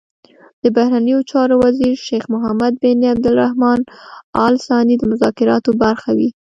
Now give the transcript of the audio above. د بهرنیو چارو وزیر شیخ محمد بن عبدالرحمان ال ثاني د مذاکراتو برخه وي.